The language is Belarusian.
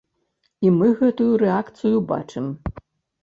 І мы гэтую рэакцыю бачым.